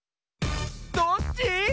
どっち？